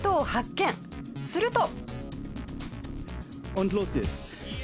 すると。